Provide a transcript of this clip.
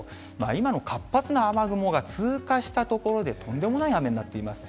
今の活発な雨雲が通過した所でとんでもない雨になっています。